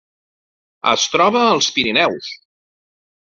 Es troba als Pirineus.